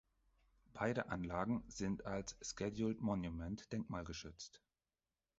Beide Anlagen sind als Scheduled Monument denkmalgeschützt.